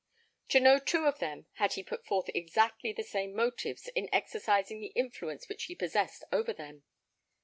To no two of them had he put forth exactly the same motives in exercising the influence which he possessed over them.